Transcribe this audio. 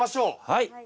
はい。